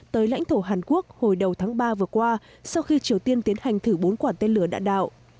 tới lãnh thổ hàn quốc hồi đầu tháng ba vừa qua sau khi triều tiên tiến hành thử bốn quả tên lửa đạn đạo